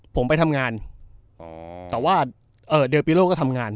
ผมไปทำงานอ๋อแต่ว่าเอ่อเดียร์เปียโร่ก็ทำงาน